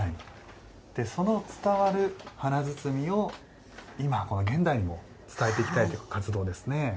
その伝わる華包を今、現代にも伝えていきたいという活動ですね。